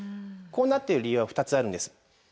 こうなってる理由は２つあるんです。